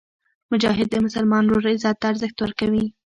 مجاهد د مسلمان ورور عزت ته ارزښت ورکوي.